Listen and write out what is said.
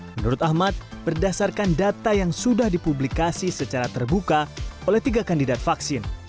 menurut ahmad berdasarkan data yang sudah dipublikasi secara terbuka oleh tiga kandidat vaksin